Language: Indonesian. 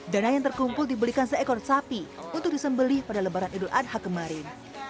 dana yang terkumpul dibelikan seekor sapi untuk disembelih pada lebaran idul adha kemarin